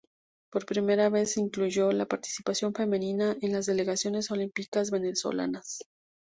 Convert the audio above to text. Por primera vez se incluyó la participación femenina en las delegaciones olímpicas venezolanas.